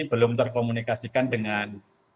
belum terkomunikasikan dengan